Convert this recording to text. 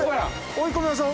追い込みましょ。